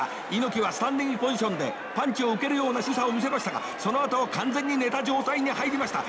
猪木はスタンディングポジションでパンチを受けるようなしぐさを見せましたがそのあとは完全に寝た状態に入りました。